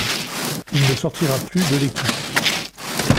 Il ne sortira plus de l'équipe.